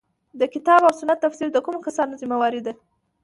د کتاب او سنت تفسیر د کومو کسانو ذمه واري ده.